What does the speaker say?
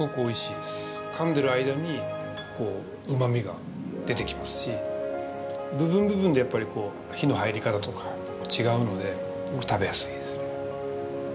かんでる間にこううまみが出てきますし部分部分でやっぱりこう火の入り方とか違うのですごく食べやすいですね。